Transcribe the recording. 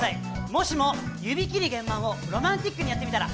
もしも指切りげんまんをロマンティックにやってみたら。